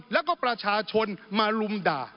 แล้วก็ประชาชนมาลุมด่า